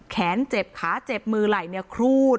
เจ็บขาเจ็บมือไหล่ครูด